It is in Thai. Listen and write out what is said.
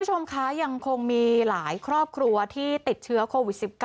คุณผู้ชมคะยังคงมีหลายครอบครัวที่ติดเชื้อโควิด๑๙